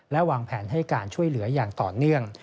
และวางแผนให้การช่วยเหลืออย่างต่อเนื่อง